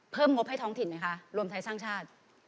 เพิ่มงบให้ท้องถิ่นไหมคะรวมท้ายสร้างชาติ